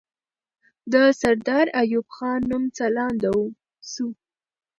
د سردار ایوب خان نوم ځلانده سو.